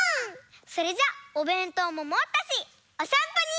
それじゃおべんとうももったしおさんぽに。